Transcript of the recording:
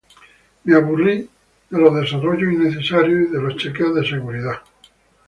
Me aburrí de de los desarrollos innecesarios y de los chequeos de seguridad.